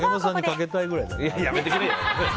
やめてくれよ。